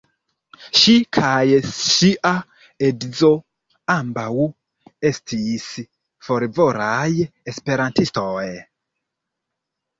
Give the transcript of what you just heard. Ŝi kaj ŝia edzo ambaŭ estis fervoraj esperantistoj.